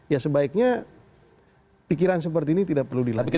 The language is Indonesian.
ya sebaiknya pikiran seperti ini tidak perlu dilanjutkan